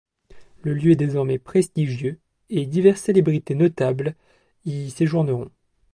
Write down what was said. Le lieu est désormais prestigieux et diverses célébrités notables y séjourneront.